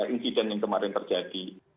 incident yang kemarin terjadi